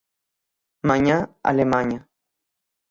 Mañá, Alemaña.